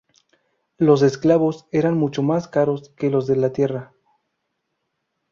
Los esclavos eran mucho más caros que los de la tierra.